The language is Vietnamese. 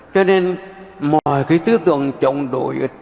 cho nên mọi cái tư tưởng chống đổi